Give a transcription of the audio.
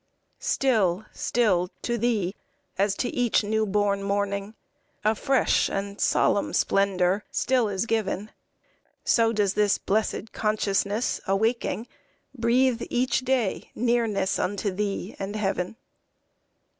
Still, still to Thee, as to each new born morning, A fresh and solemn splendor still is giv'n, So does this blessed consciousness awaking, Breathe each day nearness unto Thee and heav'n.